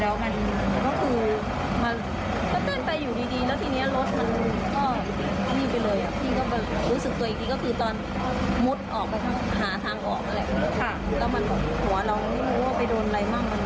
แล้วมันหัวเราไม่รู้ว่าไปโดนอะไรมั่งมันแบบรถลงมานะ